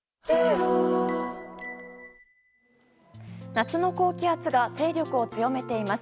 夏の高気圧が勢力を強めています。